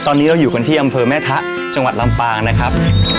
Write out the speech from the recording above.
ตอนนี้เราอยู่กันที่อำเภอแม่ทะจังหวัดลำปางนะครับ